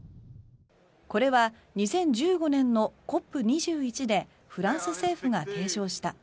これは２０１５年のＣＯＰ２１でフランス政府が提唱した